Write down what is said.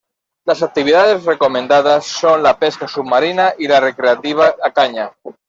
Las actividades recomendadas son la pesca submarina y la recreativa a caña.